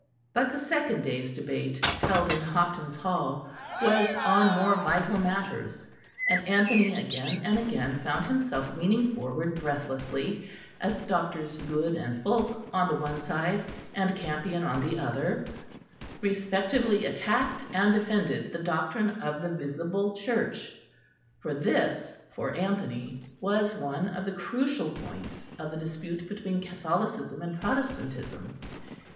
But the second day's debate, held in Hopton's Hall, was on more vital matters; and Anthony again and again found himself leaning forward breathlessly, as Drs. Goode and Fulke on the one side, and Campion on the other, respectively attacked and defended the Doctrine of the Visible Church; for this, for Anthony, was one of the crucial points of the dispute between Catholicism and Protestantism.